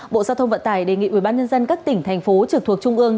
bộ giao thông vận tải đề nghị ubnd các tỉnh thành phố trực thuộc trung ương